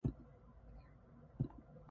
I never shall forget it.